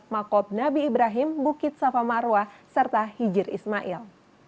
makob nabi ibrahim bukit safa marwa serta hijir ismail